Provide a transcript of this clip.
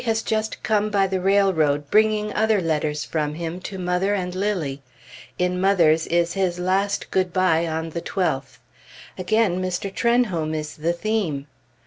Charlie has just come by the railroad, bringing other letters from him, to mother and Lilly. In mother's is his last good bye on the 12th. Again Mr. Trenholm is the theme.